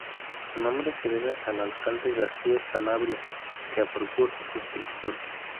Su nombre se debe al alcalde García Sanabria, que aprobó su construcción.